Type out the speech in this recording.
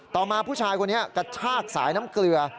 ต่อมาผู้ชายคนนี้กระชากสายน้ำเกลือ